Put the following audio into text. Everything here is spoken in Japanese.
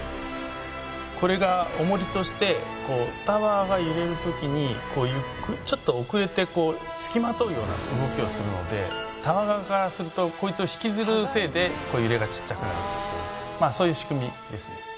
これが重りとしてタワーが揺れる時にちょっと遅れてつきまとうような動きをするのでタワー側からするとこいつを引きずるせいで揺れがちっちゃくなるっていうそういう仕組みですね。